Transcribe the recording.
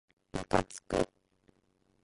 むかつく